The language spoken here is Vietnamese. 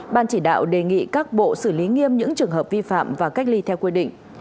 ban chỉ đạo đề nghị các bộ xử lý nghiêm những trường hợp vi phạm và cách ly theo quy định